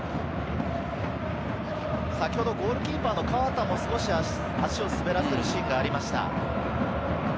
ゴールキーパーの河田も少し足を滑らせるシーンがありました。